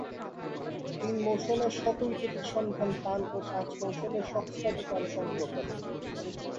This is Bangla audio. তিন মৌসুমে শত উইকেটের সন্ধান পান ও পাঁচ মৌসুমে সহস্রাধিক রান সংগ্রহ করেন।